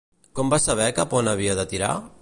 Com va saber cap a on havia de tirar?